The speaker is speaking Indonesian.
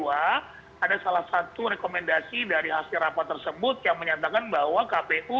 ada salah satu rekomendasi dari hasil rapat tersebut yang menyatakan bahwa kpu